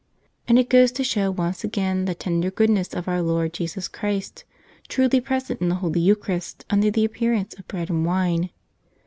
And it goes to show once again the tender goodness of our Lord Jesus Christ, truly present in the Holy Eucharist under the appearance of bread and wine.